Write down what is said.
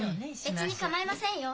別に構いませんよ。